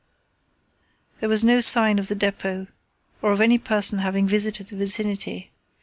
There was no sign of the depot or of any person having visited the vicinity.